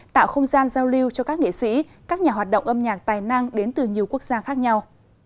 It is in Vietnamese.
tạo không gian giao lưu cho các nghệ sĩ các nhà hoạt động âm nhạc tài năng đến từ nhiều quốc gia khác nhau